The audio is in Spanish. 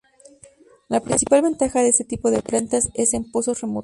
La principal ventaja de este tipo de plantas es en pozos remotos.